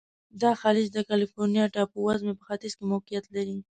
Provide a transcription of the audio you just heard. دا خلیج د کلفورنیا ټاپو وزمي په ختیځ کې موقعیت لري.